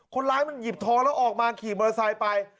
คนร้ายมันหยิบทองแล้วออกมาขี่มอเตอร์ไซค์ไป